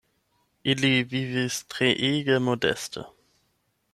Ili vivis treege modeste.